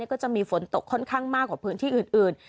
ก็จะมีฝนตกค่อนข้างมากกว่าพื้นที่อื่น